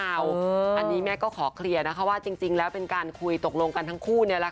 อันนี้แม่ก็ขอเคลียร์นะคะว่าจริงแล้วเป็นการคุยตกลงกันทั้งคู่